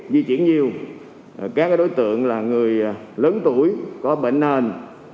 di chuyển nhiều các đối tượng là người lớn tuổi có bệnh nền